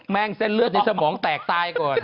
งเส้นเลือดในสมองแตกตายก่อน